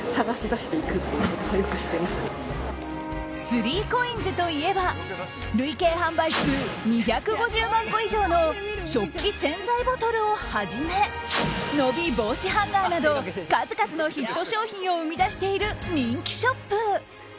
スリーコインズといえば累計販売数２５０万個以上の食器洗剤ボトルをはじめ伸び防止ハンガーなど数々のヒット商品を生み出している人気ショップ。